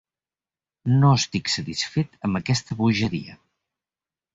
No estic satisfet amb aquesta bogeria.